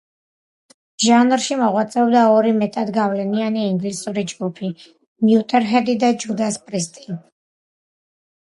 ჟანრში მოღვაწეობდა ორი მეტად გავლენიანი ინგლისური ჯგუფი: მოუტერჰედი და ჯუდას პრისტი.